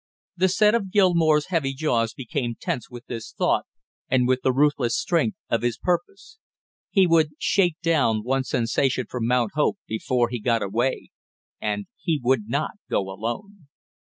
The set of Gilmore's heavy jaws became tense with this thought and with the ruthless strength of his purpose. He would shake down one sensation for Mount Hope before he got away, and he would not go alone.